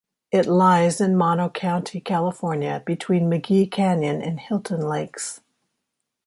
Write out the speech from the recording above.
It lies in Mono County, California, between McGee Canyon and Hilton Lakes.